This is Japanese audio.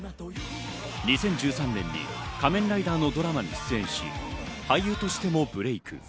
２０１３年に仮面ライダーのドラマに出演し、俳優としてもブレイク。